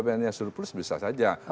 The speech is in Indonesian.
kalau apbn nya surplus bisa saja